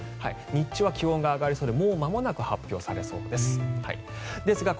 日中は気温が上がりそうでもうまもなく発表されそうです。